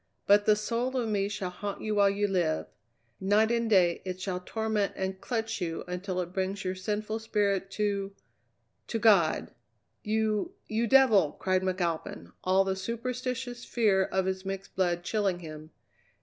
But the soul of me shall haunt you while you live. Night and day it shall torment and clutch you until it brings your sinful spirit to to God!" "You you devil!" cried McAlpin, all the superstitious fear of his mixed blood chilling him.